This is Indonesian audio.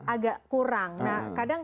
agak kurang nah kadang